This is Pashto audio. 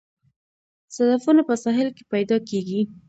صدفونه په ساحل کې پیدا کیږي